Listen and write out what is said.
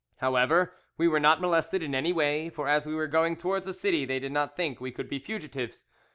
However, we were not molested in any way, for as we were going towards the city they did not think we could be fugitives.